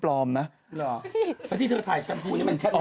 ผมบอกว่าที่เธอถ่ายชำพูนี่มันแช่หน้า